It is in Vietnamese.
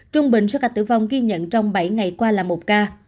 trung bình số ca tử vong ghi nhận trong bảy ngày qua là một ca